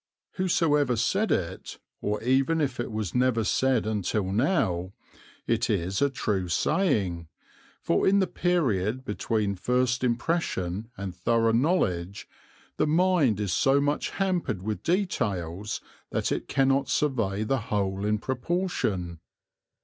Whosoever said it, or even if it was never said until now, it is a true saying, for in the period between first impression and thorough knowledge the mind is so much hampered with details that it cannot survey the whole in proportion.